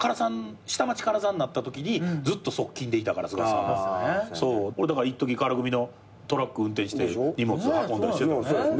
下町唐座になったときにずっと側近でいたから菅田さんは。だからいっとき唐組のトラック運転して荷物運んだりしてた。